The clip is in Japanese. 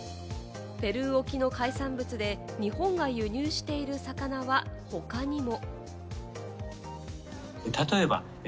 ペルー沖の海産物で日本が輸入している魚は他にも。